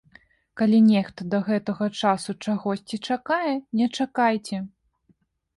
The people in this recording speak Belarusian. Калі нехта да гэтага часу чагосьці чакае, не чакайце.